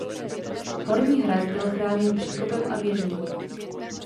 Horní hrad byl chráněn příkopem a věžemi.